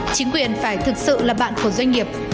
chính quyền phải thực sự là bạn của doanh nghiệp